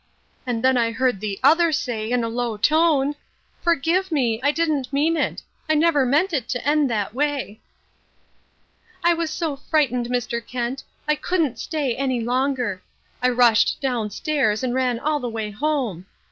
And then I heard the other say in a low tone, 'Forgive me, I didn't mean it. I never meant it to end that way.' "I was so frightened, Mr. Kent, I couldn't stay any longer. I rushed downstairs and ran all the way home.